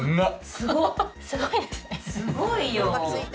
すごいよ。